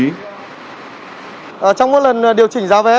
trong một lần điều chỉnh giá vé